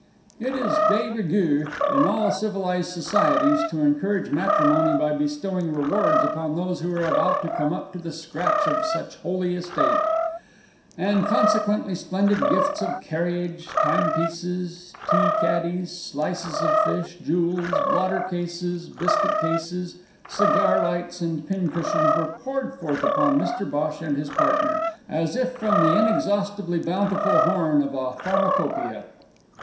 It is de rigueur in all civilised societies to encourage matrimony by bestowing rewards upon those who are about to come up to the scratch of such holy estate, and consequently splendid gifts of carriage, timepieces, tea caddies, slices of fish, jewels, blotter cases, biscuit caskets, cigar lights, and pin cushions were poured forth upon Mr Bhosh and his partner, as if from the inexhaustibly bountiful horn of a Pharmacopoeia.